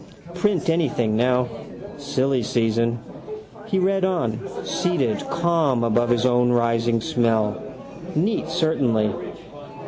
Print anything now. Silly season. He read on, seated calm above his own rising smell. Neat certainly.